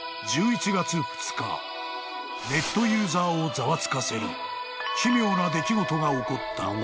［ネットユーザーをざわつかせる奇妙な出来事が起こった］